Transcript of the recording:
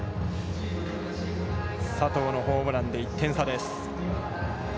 佐藤のホームランで１点差です。